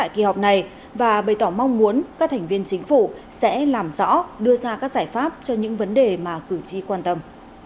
kỳ họp này và bày tỏ mong muốn các thành viên chính phủ sẽ làm rõ đưa ra các giải pháp cho những vấn đề mà cử tri quan tâm